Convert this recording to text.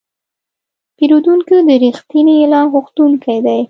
پیرودونکی د رښتیني اعلان غوښتونکی دی.